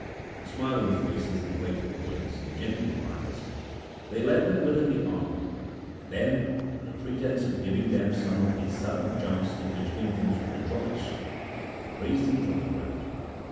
With smiling faces and playful words and gentle wiles they led them within the arbour, and then, under pretence of giving them some of those sudden jumps in which infants rejoice, they raised them from the ground.